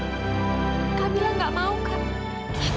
kamila gak mau kak